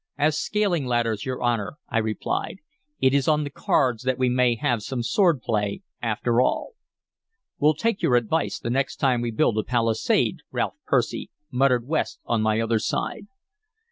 "As scaling ladders, your Honor," I replied. "It is on the cards that we may have some sword play, after all." "We'll take your advice, the next time we build a palisade, Ralph Percy," muttered West on my other side.